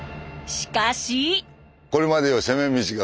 しかし。